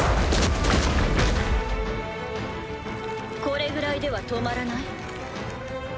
これぐらいでは止まらない？